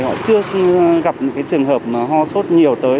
họ chưa gặp những cái trường hợp ho sốt nhiều tới